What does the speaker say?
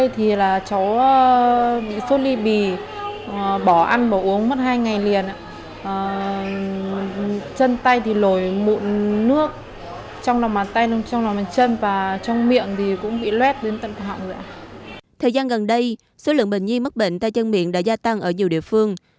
thời gian gần đây số lượng bệnh nhi mắc bệnh tay chân miệng đã gia tăng ở nhiều địa phương